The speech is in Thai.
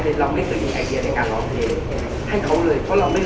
แล้วก็พอต่อไปก็คิดคุณทำอย่างนี้ค่ะคุณคิดคุณทำอย่างนี้ค่ะ